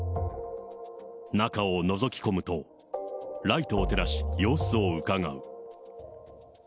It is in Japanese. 中をのぞき込むと、ライトを照らし、様子をうかがう。